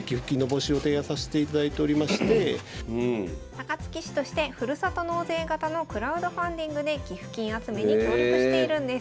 高槻市としてふるさと納税型のクラウドファンディングで寄付金集めに協力しているんです。